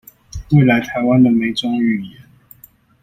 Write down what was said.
未來臺灣的每種語言